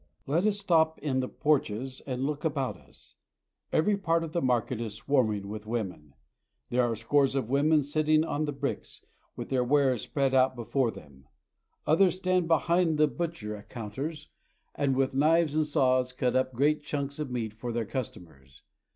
Let us stop in the porches and look about us. Every •'They carry everything on their heads." 224 PARAGUAY. part of the market is swarming with women. There are scores of women sitting on the bricks, with their wares spread out before them. Others stand behind the butcher counters, and with knives and saws cut up great chunks of meat for their customers.